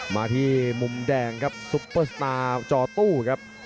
มาที่มุมแดงครับซุปเปอร์สตาร์จอตู้ครับ